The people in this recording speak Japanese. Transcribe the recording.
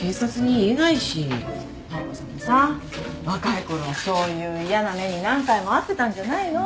妙子さんもさ若いころはそういう嫌な目に何回も遭ってたんじゃないの？